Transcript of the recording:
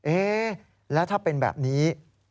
เอ๊ะแล้วถ้าเป็นแบบนี้